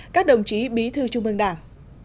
các đồng chí bí thư trung ương đảng